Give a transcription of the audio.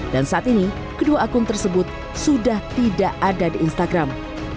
dan saat ini kedua akun tersebut sudah tidak ada di instagram